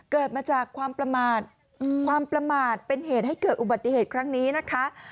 เกิดมาจากความประมาทความประมาทเป็นเหตุให้เกิดอุบัติเหตุครั้งนี้นะคะ